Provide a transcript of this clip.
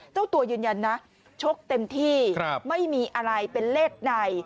เจ้าตัวยืนยันนะชกเต็มที่ไม่มีอะไรเป็นเลขใน